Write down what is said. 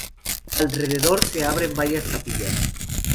Alrededor se abren varias capillas.